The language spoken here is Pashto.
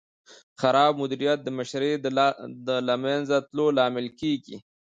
خراب مدیریت د مشتری د له منځه تلو لامل کېږي.